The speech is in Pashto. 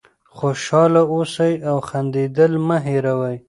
خوشحاله اوسئ او خندېدل مه هېروئ.